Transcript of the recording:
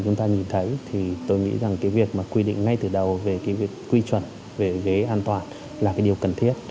chúng ta nhìn thấy tôi nghĩ rằng việc quy định ngay từ đầu về quy chuẩn về ghế an toàn là điều cần thiết